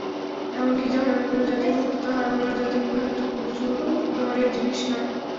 এমন কি যাহারা বিভিন্ন জাতিভুক্ত তাহারাও বলে, জাতিবিভাগ একটা খুব উঁচুদরের জিনিষ নয়।